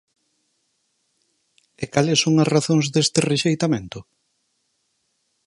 ¿E cales son as razóns deste rexeitamento?